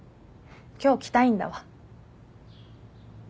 今日着たいんだわ。